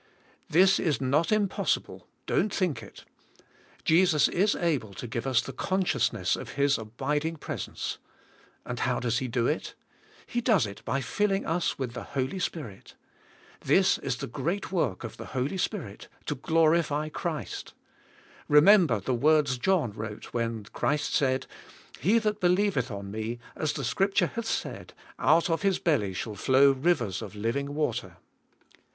This is not impossible, don't think it. Jesus is able to give us the consciousness of His abiding presence, and how does He do it? He does it by filling us with the Holy Spirit. This is the great work of the Holy Spirit, to glorify Christ. Remember the words John wrote when Christ said, ' 'He that believeth on Me as the Scripture hath said, out of his belly shall flow rivers of living water.